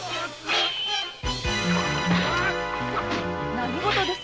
何事です？